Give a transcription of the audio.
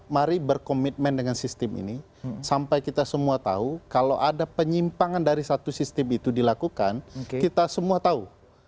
mari berkomitmen dengan sistem ini sampai kita semua tahu kalau ada penyimpangan dari satu sistem itu dilakukan kita semua tahu